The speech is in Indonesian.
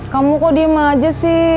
kamu kok diem aja sih